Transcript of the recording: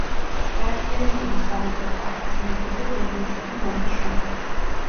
გაერთიანებული სამეფოს ტახტის მემკვიდრე ბებიისა და მამის შემდეგ.